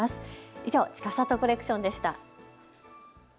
以上ちかさとコレクションでした。